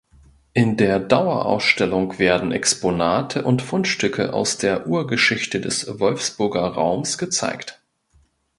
In der Dauerausstellung werden Exponate und Fundstücke aus der Urgeschichte des Wolfsburger Raums gezeigt.